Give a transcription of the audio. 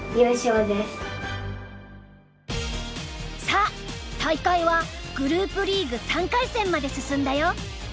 さあ大会はグループリーグ３回戦まで進んだよ。